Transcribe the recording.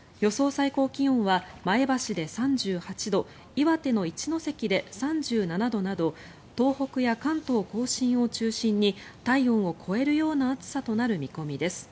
最高気温は前橋で３８度岩手の一関で３７度など東北や関東・甲信を中心に体温を超えるような暑さとなる見込みです。